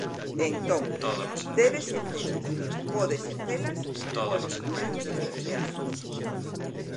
Entón, debe exercelas, pode exercelas, pode eliminar estas peaxes.